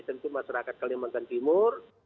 tentu masyarakat kalimantan timur